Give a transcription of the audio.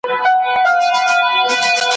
دا سرې سرې دا غټي سترګي ,